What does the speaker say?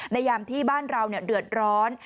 ในยามที่บ้านเราเนี่ยเด่อร้อน